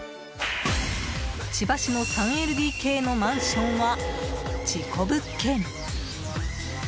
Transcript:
千葉市の３ＬＤＫのマンションは、事故物件。